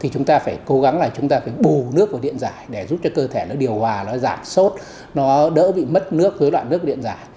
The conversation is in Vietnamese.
chúng ta phải cố gắng bù nước vào điện giải để giúp cơ thể điều hòa giảm sốt đỡ bị mất nước với đoạn nước điện giải